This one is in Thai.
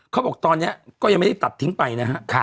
เขาบอกตอนนี้ก็ยังไม่ได้ตัดทิ้งไปนะฮะ